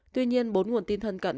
tuy nhiên bốn nguồn tin thân cận